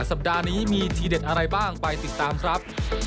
สัปดาห์นี้มีทีเด็ดอะไรบ้างไปติดตามครับ